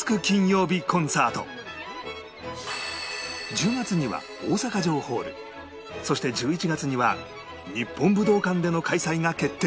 １０月には大阪城ホールそして１１月には日本武道館での開催が決定